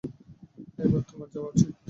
এবার, তোমার যাওয়া উচিত।